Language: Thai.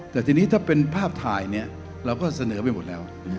แต่ทีนี้ถ้าเป็นภาพถ่ายเนี่ยเราก็เสนอไปหมดแล้ว